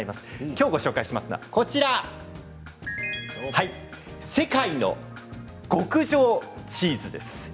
きょうご紹介しますのはこちら世界の極上チーズです。